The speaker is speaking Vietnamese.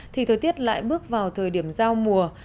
thì thời tiết lại bước vào thời điểm giao mùa